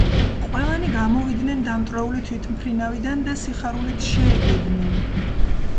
ყველანი გამოვიდნენ დამტვრეული თვითმფრინავიდან და სიხარულით შეეგებნენ.